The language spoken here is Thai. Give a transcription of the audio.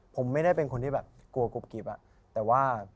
ผมไม่ได้เป็นคนที่กลัวกศิกประมาณ